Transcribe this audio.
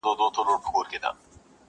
پلونه یې بادونو له زمان سره شړلي دي!